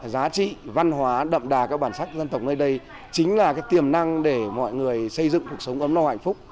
giá trị văn hóa đậm đà các bản sách dân tộc nơi đây chính là cái tiềm năng để mọi người xây dựng cuộc sống ấm nâu hạnh phúc